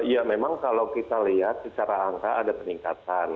ya memang kalau kita lihat secara angka ada peningkatan